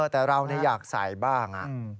แต่เราอยากใส่บ้าง